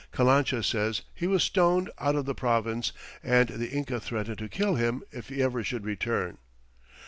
Calancha says he was stoned out of the province and the Inca threatened to kill him if he ever should return.